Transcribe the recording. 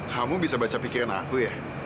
kamu bisa baca pikiran aku ya